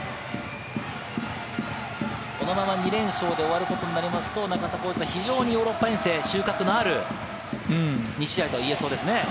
このまま２連勝に終わることになると、非常にヨーロッパ遠征、収穫のある２試合といえそうですね。